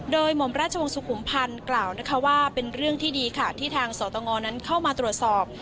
โดยหม่อมราชวงศุมพันธ์กล่าวนะคะว่าเป็นเรื่องที่ดีค่ะที่ทางสตงนั้นเข้ามาตรวจสอบ